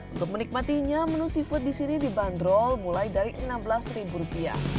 untuk menikmatinya menu seafood di sini dibanderol mulai dari rp enam belas